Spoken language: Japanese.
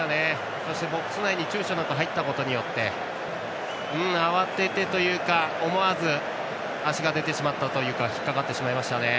そしてボックス内にちゅうちょなく入ったことで慌ててというか思わず足が出てしまったというか引っかかってしまいましたよね。